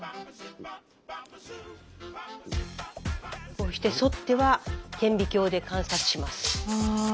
こうしてそっては顕微鏡で観察します。